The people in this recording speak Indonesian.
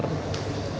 beliau tidak pernah